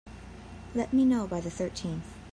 Let me know by the thirteenth.